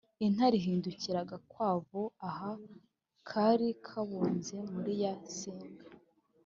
intare ihindukirana agakwavu aha kari kabunze muri ya senga,